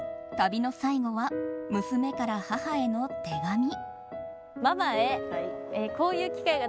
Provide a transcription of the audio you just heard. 旅の最後は、娘から母への手紙。